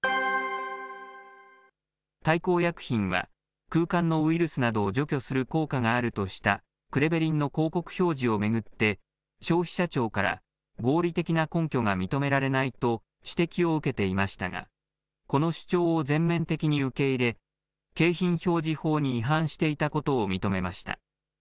大幸薬品は、空間のウイルスなどを除去する効果があるとしたクレベリンの広告表示を巡って、消費者庁から、合理的な根拠が認められないと指摘を受けていましたが、この主張を全面的に受け入れ、景品表示法に違反していたことを認めました。